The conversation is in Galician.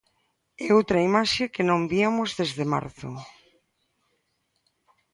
E outra imaxe que non viamos desde marzo.